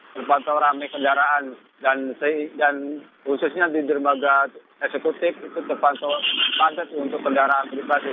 terpantau rame kendaraan dan khususnya di dermaga eksekutif itu terpantau padat untuk kendaraan pribadi